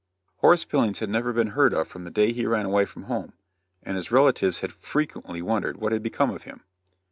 Horace Billings had never been heard of from the day he ran away from home, and his relatives had frequently wondered what had become of him.